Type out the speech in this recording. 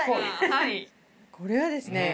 はいこれはですね